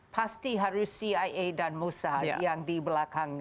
pasti harus cia dan musa yang di belakangnya